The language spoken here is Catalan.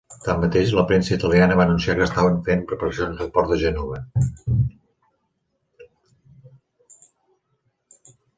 Tanmateix, la premsa italiana va anunciar que s'estaven fent preparacions al port de Gènova.